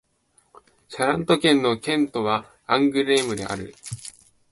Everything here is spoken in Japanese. シャラント県の県都はアングレームである